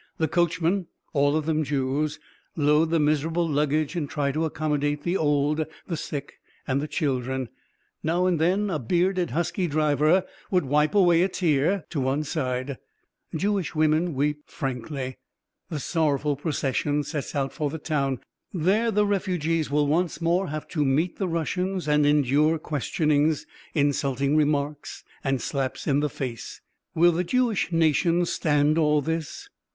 The coachmen, all of them Jews, load the miserable luggage and try to accommodate the old, the sick, and the children. Now and then a bearded, husky driver would wipe away a tear; to one side, Jewish women weep frankly. The sorrowful procession sets out for the town. There the refugees will once more have to meet the Russians and endure questionings, insulting remarks and slaps in the face.... Will the Jewish nation stand all this?